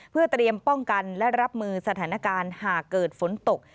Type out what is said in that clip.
เพื่อเตรียมป้องกันและรับมือสถานการณ์หากเกิดฝนตก